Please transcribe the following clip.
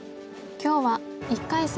今日は１回戦